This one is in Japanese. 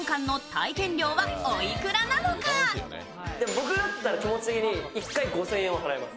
僕だったら気持ち的に１回５０００円は払います。